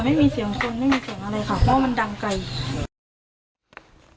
ไม่มีเสียงคนไม่มีเสียงอะไรค่ะเพราะมันดังไกล